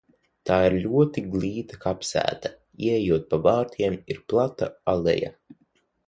Tā ir ļoti glīta kapsēta – ieejot pa vārtiem ir plata aleja.